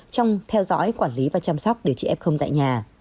trong theo dõi quản lý và chăm sóc điều trị f tại nhà